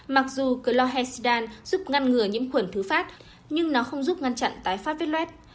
mặc dù chlosedan giúp ngăn ngừa nhiễm khuẩn thứ phát nhưng nó không giúp ngăn chặn tái phát vết luet